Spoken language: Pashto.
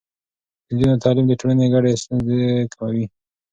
د نجونو تعليم د ټولنې ګډې ستونزې کموي.